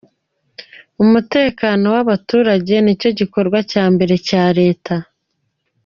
"Umutekano ku banyagihugu nico gikorwa ca mbere ca leta.